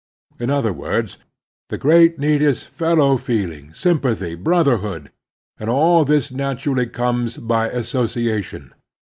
In other words, the great need is fellow feeling, sjmipathy, brotherhood; and all this naturally comes by association.